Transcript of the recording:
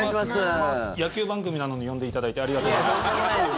野球番組なのに呼んでいただいてありがとうございます。